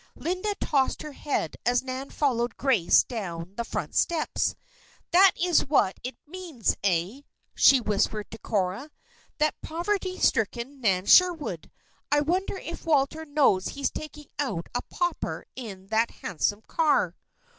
Linda tossed her head as Nan followed Grace down the front steps. "That is what it means, eh?" she whispered to Cora. "That poverty stricken Nan Sherwood! I wonder if Walter knows he's taking out a pauper in that handsome car."